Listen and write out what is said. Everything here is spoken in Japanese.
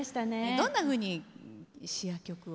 どんなふうに詞や曲を。